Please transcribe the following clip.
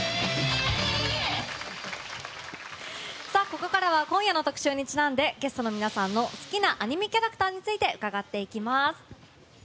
ここからは今夜の特集にちなんでゲストの皆さんの、好きなアニメキャラクターについて伺っていきます。